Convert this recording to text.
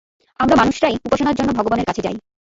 আমরা মানুষরাই উপাসনার জন্য ভগবানের কাছে যাই।